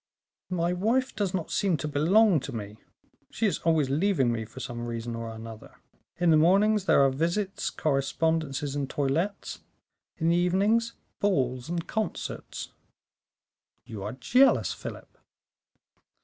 "My wife does not seem to belong to me; she is always leaving me for some reason or another. In the mornings there are visits, correspondences, and toilettes; in the evenings, balls and concerts." "You are jealous, Philip."